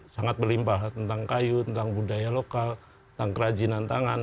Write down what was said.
sangat berlimpah tentang kayu tentang budaya lokal tentang kerajinan tangan